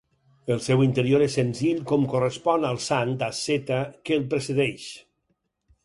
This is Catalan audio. El seu interior és senzill com correspon al Sant asceta que el presideix.